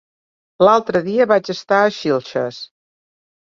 L'altre dia vaig estar a Xilxes.